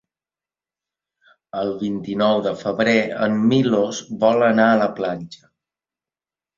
El vint-i-nou de febrer en Milos vol anar a la platja.